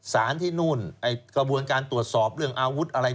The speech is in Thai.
สารที่นู่นไอว์กระบวนการตัวสอบอาวุธอะไรค่ะ